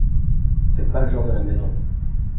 C’est pas le genre de la maison